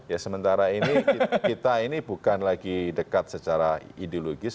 ya sementara ini kita ini bukan lagi dekat secara ideologis